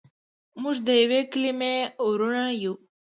موږ دیوې کلیمې وړونه یو.